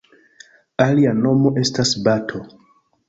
Alia nomo estas bato.